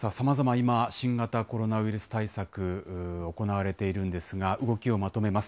今、新型コロナウイルス対策行われているんですが、動きをまとめます。